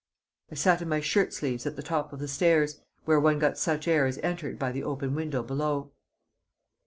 I sat in my shirt sleeves at the top of the stairs, where one got such air as entered by the open window below.